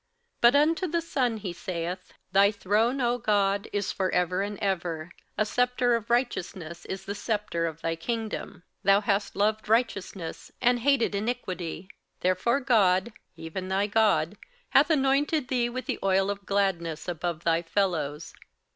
58:001:008 But unto the Son he saith, Thy throne, O God, is for ever and ever: a sceptre of righteousness is the sceptre of thy kingdom. 58:001:009 Thou hast loved righteousness, and hated iniquity; therefore God, even thy God, hath anointed thee with the oil of gladness above thy fellows.